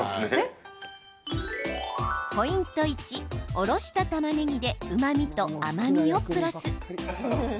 ポイント１、おろしたまねぎでうまみと甘みをプラス。